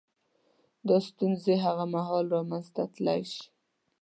• دا ستونزې هغه مهال له منځه تلای شي.